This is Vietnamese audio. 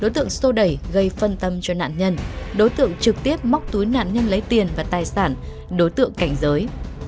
trực tiếp móc túi nạn nhân lấy tiền và tài sản đối tượng cảnh giới